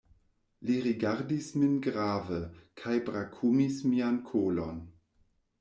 Li rigardis min grave kaj brakumis mian kolon.